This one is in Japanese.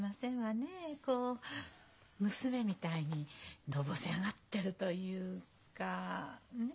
こう娘みたいにのぼせ上がってるというかねえ？